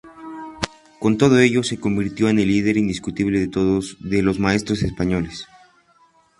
Con todo ello se convirtió en el líder indiscutible de los maestros españoles.